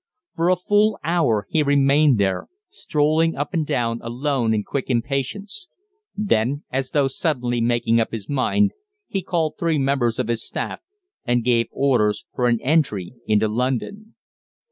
For a full hour he remained there, strolling up and down alone in quick impatience. Then, as though suddenly making up his mind, he called three members of his staff, and gave orders for an entry into London.